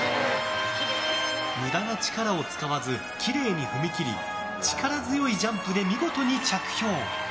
無駄な力を使わずきれいに踏み切り力強いジャンプで見事に着水。